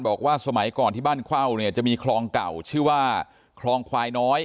บอกว่าสมัยก่อนที่บ้านเข้าเนี่ยจะมีคลองเก่าชื่อว่าคลองควายน้อย